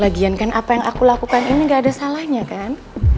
bagiankan apa yang aku lakukan ini gak ada salahnya kan